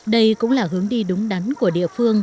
đây cũng là hướng đi đúng đắn của địa phương